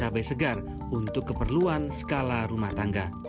cabai segar untuk keperluan skala rumah tangga